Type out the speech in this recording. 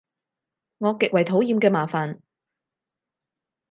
我極為討厭嘅麻煩